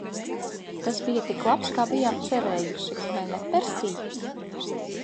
Tas bija tik labs, kā bijām cerējuši, vai ne, Persij?